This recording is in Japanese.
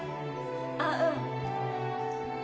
あっうん